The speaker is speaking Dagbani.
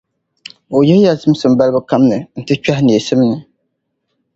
O yihi ya zimsim balibu kam ni n-ti kpɛhi neesim ni.